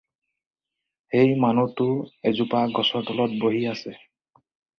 সেই মানুহটো এজোপা গছৰ তলত বহি আছে।